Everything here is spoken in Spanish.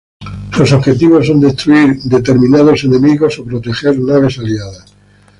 Los objetivos son destruir determinados enemigos o proteger naves aliadas.